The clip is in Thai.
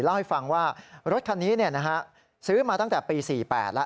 เล่าให้ฟังว่ารถคันนี้ซื้อมาตั้งแต่ปี๔๘แล้ว